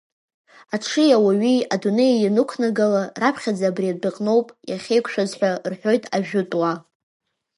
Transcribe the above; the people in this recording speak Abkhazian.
Аҽи ауаҩи адунеи ианықәнагала, раԥхьаӡа абри адәы аҟны ауп иахьеиқәшәаз ҳәа рҳәоит ажәытә уаа.